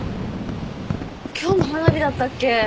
今日も花火だったっけ？